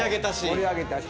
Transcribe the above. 盛り上げたし。